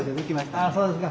ああそうですか。